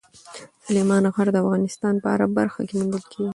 سلیمان غر د افغانستان په هره برخه کې موندل کېږي.